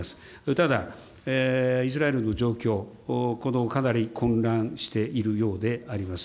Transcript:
ただ、イスラエルの状況、かなり混乱しているようであります。